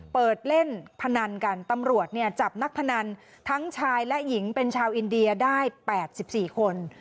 เปิดเล่นพนันกันตำรวจเนี่ยจับนักพนันทั้งชายและหญิงเป็นชาวอินเดียได้๘๔คน